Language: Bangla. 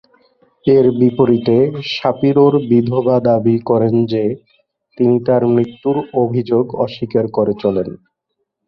এর বিপরীতে, শাপিরোর বিধবা দাবি করেন যে তিনি তার মৃত্যুর অভিযোগ অস্বীকার করে চলেন।